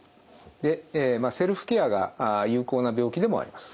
でセルフケアが有効な病気でもあります。